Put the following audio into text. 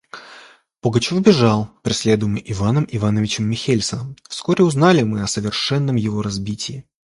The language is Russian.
Пугачев бежал, преследуемый Иваном Ивановичем Михельсоном. Вскоре узнали мы о совершенном его разбитии.